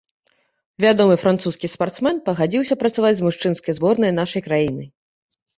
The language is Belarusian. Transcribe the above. Вядомы французскі спартсмен пагадзіўся працаваць з мужчынскай зборнай нашай краіны.